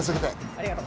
ありがとう。